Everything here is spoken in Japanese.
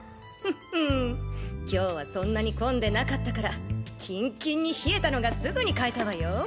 フフーン今日はそんなに混んでなかったからキンキンに冷えたのがすぐに買えたわよ！